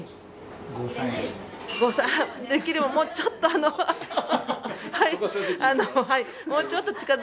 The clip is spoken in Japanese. できればもうちょっとあの。